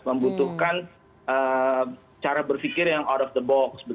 membutuhkan cara berpikir yang out of the box